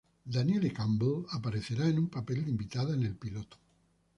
Danielle Campbell aparecerá en un papel de invitada en el piloto.